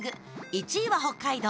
１位は北海道。